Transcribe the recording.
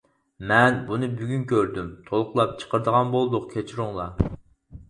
مەن بۇنى بۈگۈن كۆردۈم تولۇقلاپ چىقىرىدىغان بولدۇق كەچۈرۈڭلار.